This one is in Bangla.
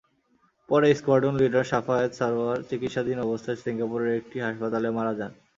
পরে স্কোয়াড্রন লিডার শাফায়াত সারোয়ার চিকিৎসাধীন অবস্থায় সিঙ্গাপুরের একটি হাসপাতালে মারা যান।